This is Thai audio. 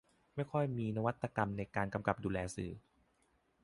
ไม่ค่อยมีนวัตกรรมในการกำกับดูแลสื่อ